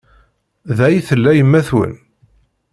Da ay tella yemma-twen?